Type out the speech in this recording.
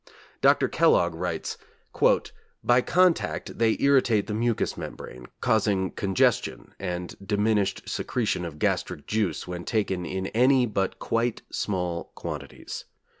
Dr. Kellogg writes: 'By contact, they irritate the mucous membrane, causing congestion and diminished secretion of gastric juice when taken in any but quite small quantities.